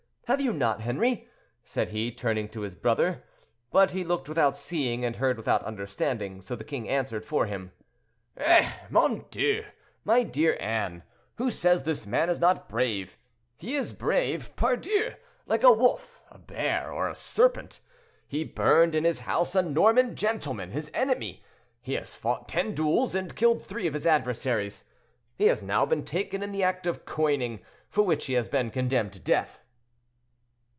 Have you not, Henri?" said he, turning to his brother: but he looked without seeing, and heard without understanding, so the king answered for him. "Eh, mon Dieu! my dear Anne, who says this man is not brave? He is brave, pardieu, like a wolf, a bear, or a serpent. He burned in his house a Norman gentleman, his enemy; he has fought ten duels, and killed three of his adversaries. He has now been taken in the act of coining, for which he has been condemned to death."